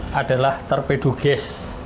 ini adalah torpedo gas